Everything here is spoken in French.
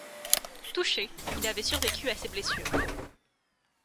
Touché, il avait survécu à ses blessures.